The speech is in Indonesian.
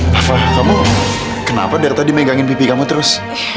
bapak kamu kenapa dari tadi megangin pipi kamu terus